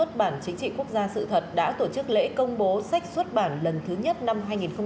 nhà xuất bản chính trị quốc gia sự thật đã tổ chức lễ công bố sách xuất bản lần thứ nhất năm hai nghìn hai mươi